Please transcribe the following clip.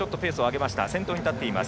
先頭に立っています